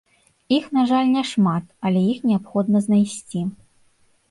Іх, на жаль, няшмат, але іх неабходна знайсці.